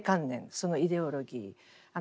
そのイデオロギー。